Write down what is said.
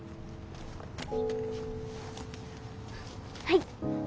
はい。